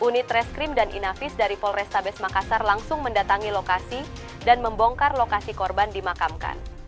polres krim dan inavis dari polres tabes makassar langsung mendatangi lokasi dan membongkar lokasi korban dimakamkan